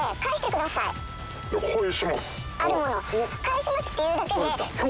返しますって言うだけで。